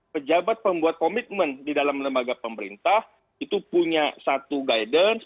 pejabat pembuat komitmen di dalam lembaga pemerintah itu punya satu guidance